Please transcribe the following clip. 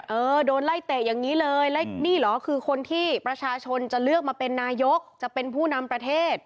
เออโดนไล่เตะอย่างนี้เลยแล้วนี่เหรอคือคนที่ประชาชนจะเลือกมาเป็นนายกจะเป็นผู้นำประเทศ